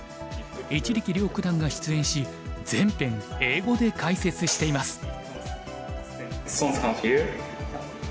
一力遼九段が出演し全編英語で解説しています。